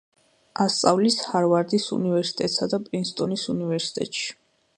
ასწავლის ჰარვარდის უნივერსიტეტსა და პრინსტონის უნივერსიტეტში.